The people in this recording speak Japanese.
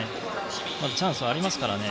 まだチャンスはありますからね。